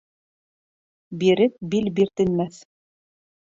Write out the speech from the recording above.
Бирек бил биртенмәҫ.